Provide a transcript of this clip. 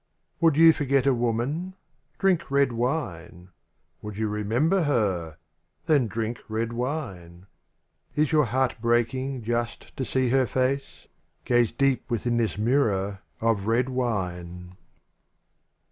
^OULD you forget a woman — drink red wine: Would you remember her. then drink red wine: Is your heart breaking just to see her face? Gaze deep within this mirror — of red wine.